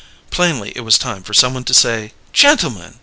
Plainly it was time for someone to say: "Gentlemen!